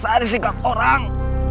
saat disinggah orang